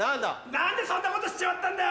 何でそんなことしちまったんだよ。